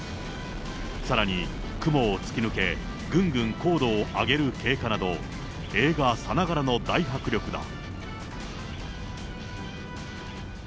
さらに、雲を突き抜けぐんぐん高度を上げる経過など、映画さながらの大迫力だ。